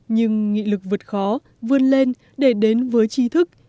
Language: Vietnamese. nhưng nghị lực vượt khó vươn lên để đến với trí thức